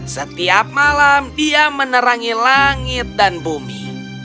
setiap malam dia menerangi langit dan bumi